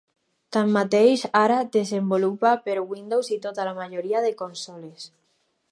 Tanmateix, ara desenvolupa per Windows i tota la majoria de consoles.